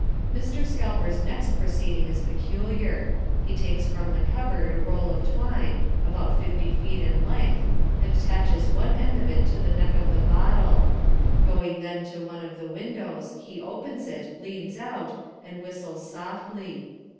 Mr. Scalper's next proceeding is peculiar. He takes from the cupboard a roll of twine, about fifty feet in length, and attaches one end of it to the neck of the bottle. Going then to one of the windows, he opens it, leans out, and whistles softly.